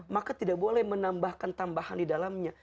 maka tidak boleh menambahkan tambahan di dalamnya